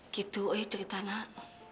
gitu eh cerita nak